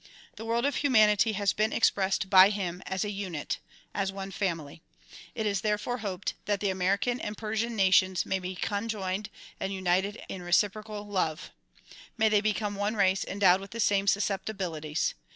The world of humanity has been expressed by him as a unit, — as one family. It is therefore hoped that the American and Persian nations may be conjoined and united in reciprocal love, ^lay they become one race endowed with the same susceptibilities.